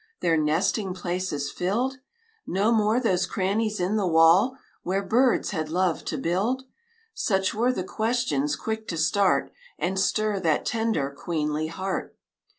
Their nesting places filled? No more those crannies in the wall Where birds had loved to build? Such were the questions quick to start And stir that tender, queenly heart.